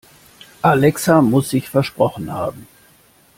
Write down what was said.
Alexa muss sich versprochen haben.